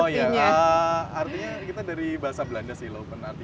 oh iya artinya kita dari bahasa belanda sih lopen